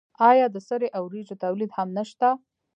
آیا د سرې او وریجو تولید هم نشته؟